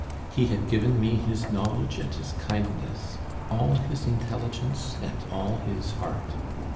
He had given me his knowledge and his kindness, all his intelligence and all his heart.